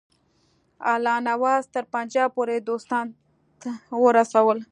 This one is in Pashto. الله نواز تر پنجاب پوري دوستانو ته ورسول.